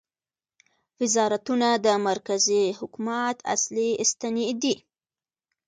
وزارتونه د مرکزي حکومت اصلي ستنې دي